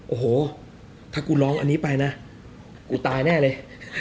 โอ้โหถ้ากูร้องอันนี้ไปนะกูตายแน่เลย